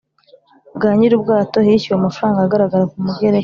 bwa nyirubwato hishyuwe amafranga agaragara ku mugereka.